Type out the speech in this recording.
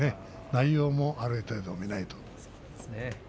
内容もある程度、見ないとね。